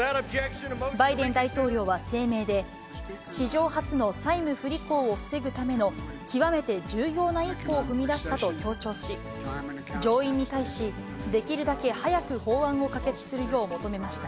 バイデン大統領は声明で、史上初の債務不履行を防ぐための、極めて重要な一歩を踏み出したと強調し、上院に対し、できるだけ早く法案を可決するよう求めました。